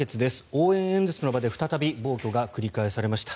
応援演説の場で再び暴挙が繰り返されました。